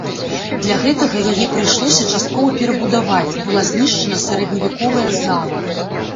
Для гэтага яе прыйшлося часткова перабудаваць, была знішчана сярэдневяковая зала.